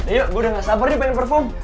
ayo gue udah gak sabar nih pengen perform